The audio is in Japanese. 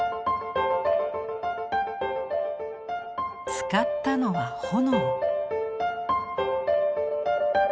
使ったのは炎。